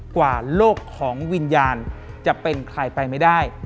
กว่าโลกของวิญญาณจะเป็นใครไปไม่ได้